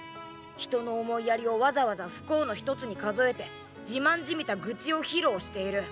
人の思いやりをわざわざ不幸の一つに数えて自慢じみた愚痴を披露している。